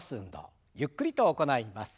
ゆっくりと行います。